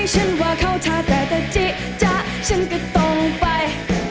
ฉันว่าเขาถ้าแต่จิจะฉันก็ต้องไป